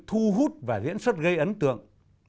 hút và diễn xuất gây ấn tượng